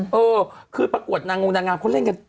เออคือประกวดนางงนางงามเขาเล่นกัน